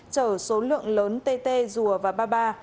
chở số lượng lớn tt rùa và ba ba